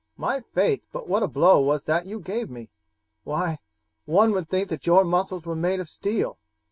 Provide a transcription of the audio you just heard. "My faith but what a blow was that you gave me; why, one would think that your muscles were made of steel.